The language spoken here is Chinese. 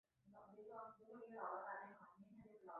首次无意识使用闪耀之瞳。